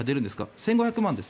１５００万です。